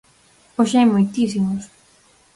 Hoxe hai moitisimos.